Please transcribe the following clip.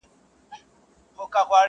د مال، عزت او د سرونو لوټماران به نه وي،